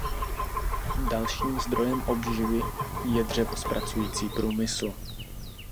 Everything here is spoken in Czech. Dalším zdrojem obživy je dřevozpracující průmysl.